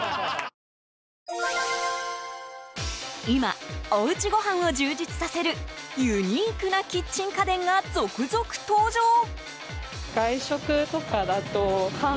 今おうちごはんを充実させるユニークなキッチン家電が続々登場。